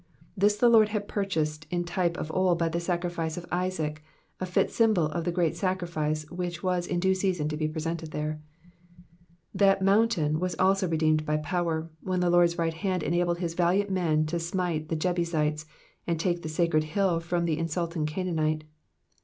This the Lord had purchased in type of old by the sacrifice of Isaac, tit symbol of the greater sacrifice which was in due season to be presented there : that moun tain was also redeemed by power, when the Lord^s right hand enabled his valiant men to smite the Jebusites, and take the sacred hill from the insulting Canaanite.